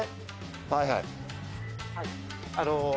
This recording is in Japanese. はいはい。